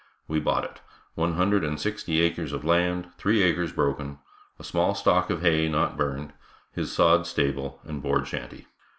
We bought it, one hundred and sixty acres of land, three acres broken, a small stock of hay not burned, his sod stable and board shanty.